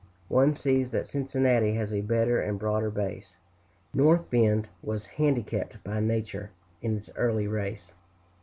One sees that Cincinnati has a better and a broader base; North Bend was handicapped by nature, in its early race.